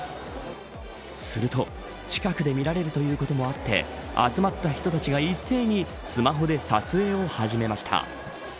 すると近くで見られるということもあって集まった人たちが一斉にスマホで撮影を始めました。